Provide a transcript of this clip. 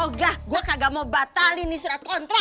oga gue kagak mau batalin nih surat kontrak